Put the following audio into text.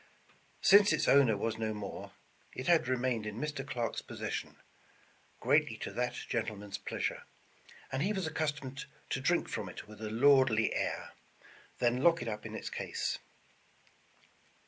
Since its owner was no more, it had remained in Mr. Clarke's posses sion, greatly to that gentleman's pleasure, and he was accustomed to drink from it with a lordly air, then 209 The Original John Jacob Astor lock it up in its case.